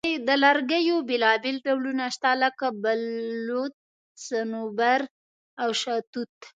د لرګیو بیلابیل ډولونه شته، لکه بلوط، صنوبر، او شاهتوت.